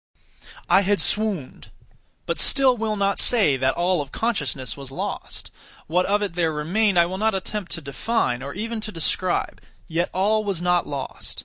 I had swooned; but still will not say that all of consciousness was lost. What of it there remained I will not attempt to define, or even to describe; yet all was not lost.